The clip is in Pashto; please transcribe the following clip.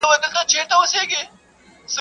o کار اسباب کوي، لافي استا ولي.